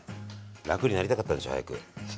楽になりたかったんでしょ早く。